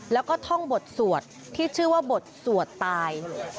แล้วก็ท่องบทสวดที่ชื่อว่าบทสวดตาย